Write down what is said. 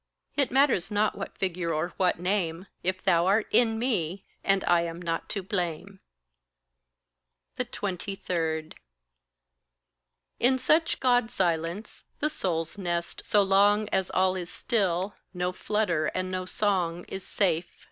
It matters not what figure or what name, If thou art in me, and I am not to blame. 23. In such God silence, the soul's nest, so long As all is still, no flutter and no song, Is safe.